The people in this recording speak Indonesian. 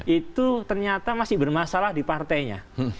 itu ternyata masih bermasalah di partainya